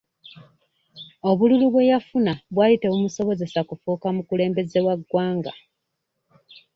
Obululu bwe yafuna bwali tebumusobozesa kufuuka mukulembeze wa ggwanga.